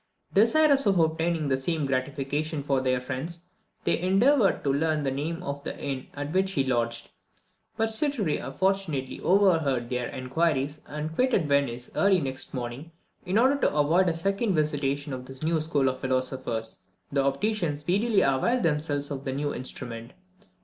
Desirous of obtaining the same gratification for their friends, they endeavoured to learn the name of the inn at which he lodged; but Sirturi fortunately overheard their inquiries, and quitted Venice early next morning, in order to avoid a second visitation of this new school of philosophers. The opticians speedily availed themselves of the new instrument.